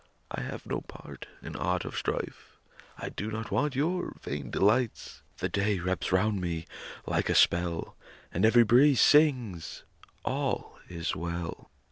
I have no part in aught of strife; I do not want your vain delights. The day wraps round me like a spell, And every breeze sings, "All is well."